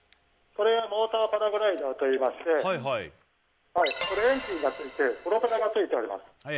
これがモーターパラグライダーといいましてエンジンがついてプロペラがついております。